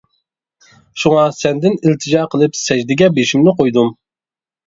شۇڭا سەندىن ئىلتىجا قىلىپ سەجدىگە بېشىمنى قويدۇم.